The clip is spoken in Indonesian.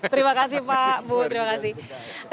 terima kasih pak bu